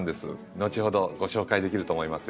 後ほどご紹介できると思いますよ。